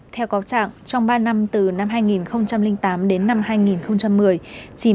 theo cáo trạng trong ba năm từ năm hai nghìn tám đến năm hai nghìn một mươi